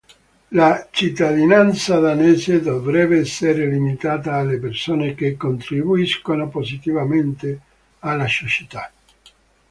La cittadinanza danese dovrebbe essere limitata alle persone che "contribuiscono positivamente" alla società.